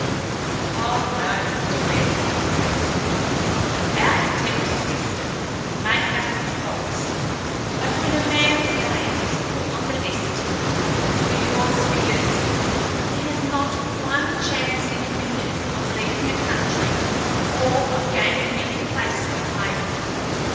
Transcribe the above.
"Oh, no, Mr. Ware!" he declared smoothly. "Our detective system may have some faults, but when a man's name is put on the list where yours figures, he has not one chance in a million of leaving the country or of gaining any place of hiding.